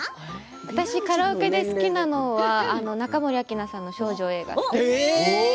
私カラオケで好きなのは中森明菜さんの「少女 Ａ」が好きです。